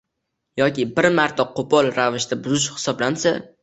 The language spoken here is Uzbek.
yoki bir marta qo‘pol ravishda buzish hisoblansa